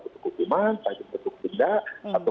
hukuman bentuk benda atau